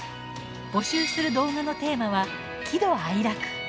募集する動画のテーマは喜怒哀楽。